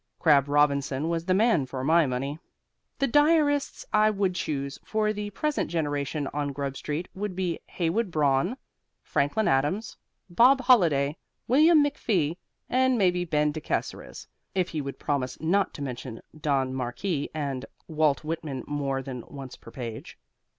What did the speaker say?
Crabb Robinson was the man for my money. The diarists I would choose for the present generation on Grub Street would be Heywood Broun, Franklin Adams, Bob Holliday, William McFee, and maybe Ben De Casseres (if he would promise not to mention Don Marquis and Walt Whitman more than once per page).